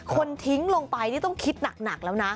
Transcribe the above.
คนทิ้งลงไปนี่ต้องคิดหนักแล้วนะ